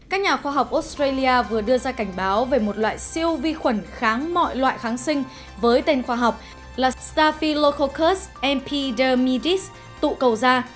các nhà khoa học australia vừa đưa ra cảnh báo về một loại siêu vi khuẩn kháng mọi loại kháng sinh với tên khoa học là staphylococcus epidermidis tụ cầu da